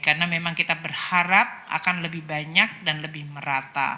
karena memang kita berharap akan lebih banyak dan lebih merata